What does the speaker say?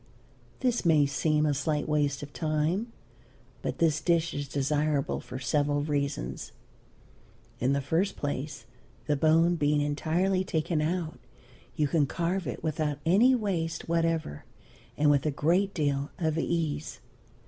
This may seem a slight waste of time, but this dish is desirable for several reasons. In the first place, the bone being entirely taken out you can carve it without any waste whatever and with a great deal of ease.